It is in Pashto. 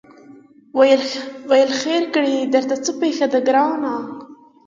ویل خیر کړې درته څه پېښه ده ګرانه